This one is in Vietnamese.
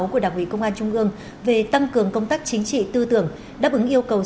của đảng ủy công an trung ương về tăng cường công tác chính trị tư tưởng đáp ứng yêu cầu